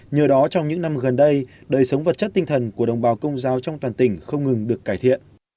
nhờ đó trong những năm gần đây đời sống vật chất tinh thần của đồng bào công giáo trong toàn tỉnh không ngừng được cải thiện